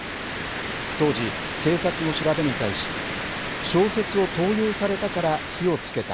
当時、警察の調べに対し、小説を盗用されたから火をつけた。